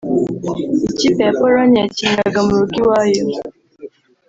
Ikipe ya Pologne yakiniraga mu rugo iwayo